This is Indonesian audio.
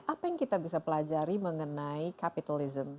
apa yang kita bisa pelajari mengenai kapitalisme